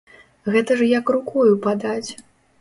Гэта ж як рукою падаць.